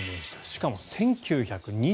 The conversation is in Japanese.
しかも１９２１年。